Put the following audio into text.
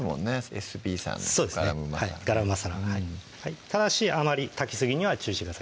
エスビーさんのガラムマサラただしあまり炊きすぎには注意してください